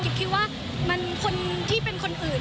คิดว่ามันคนที่เป็นคนอื่น